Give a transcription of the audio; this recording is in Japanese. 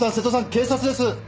警察です。